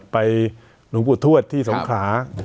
ไปหลวงบุตรทวดที่สงขา